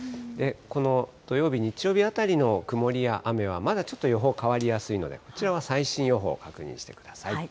この土曜日、日曜日あたりの曇りや雨は、まだちょっと予報変わりやすいので、こちらは最新予報確認してください。